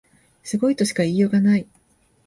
すごいとしか言いようがない